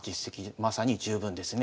まさに十分ですね。